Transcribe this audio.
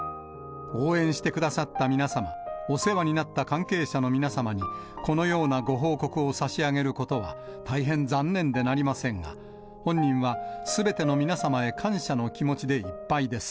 応援してくださった皆様、お世話になった関係者の皆様に、このようなご報告をさしあげることは、大変残念でなりませんが、本人はすべての皆様へ感謝の気持ちでいっぱいです。